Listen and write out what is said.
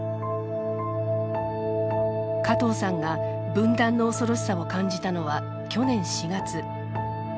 加藤さんが分断の恐ろしさを感じたのは去年４月。